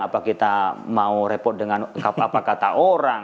apa kita mau repot dengan apa apa kata orang